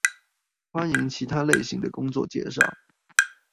歡迎其他類型的工作介紹